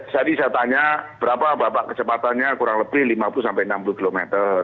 jadi saya tanya berapa bapak kecepatannya kurang lebih lima puluh enam puluh km